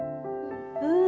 うん。